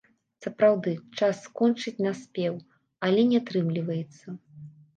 Сапраўды, час скончыць наспеў, але не атрымліваецца.